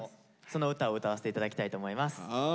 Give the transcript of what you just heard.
その歌を歌わせて頂きたいと思います。